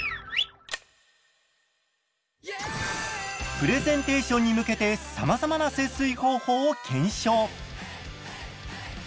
プレゼンテーションに向けてさまざまな節水方法を検証。